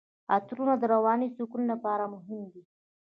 عطرونه د رواني سکون لپاره مهم دي.